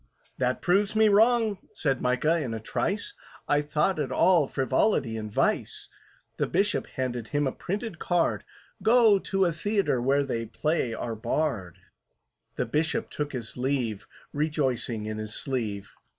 "That proves me wrong," said MICAH, in a trice: "I thought it all frivolity and vice." The Bishop handed him a printed card; "Go to a theatre where they play our Bard." The Bishop took his leave, Rejoicing in his sleeve.